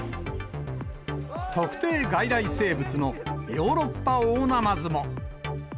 特定外来生物のヨーロッパオオナマズも。